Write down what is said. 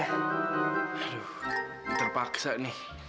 aduh terpaksa nih